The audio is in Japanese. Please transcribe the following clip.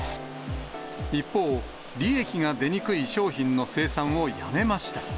一方、利益が出にくい商品の生産をやめました。